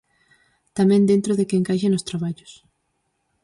Tamén dentro de que encaixe nos traballos.